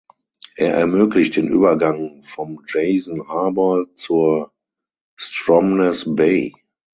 Er ermöglicht den Übergang vom Jason Harbor zur Stromness Bay.